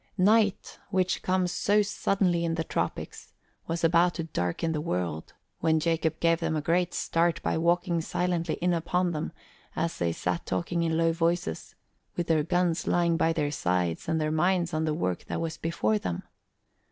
Night, which comes so suddenly in the tropics, was about to darken the world, when Jacob gave them a great start by walking silently in upon them as they sat talking in low voices, with their guns lying by their sides and their minds on the work that was before them.